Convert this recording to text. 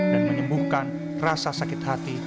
dan menyembuhkan rasa sakit hati